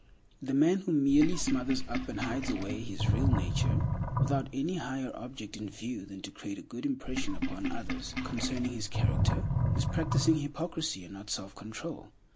The man who merely smothers up and hides away his real nature, without any higher object in view than to create a good impression upon others concerning his character, is practicing hypocrisy and not self control.